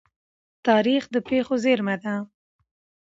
تاریخ د پېښو زيرمه ده.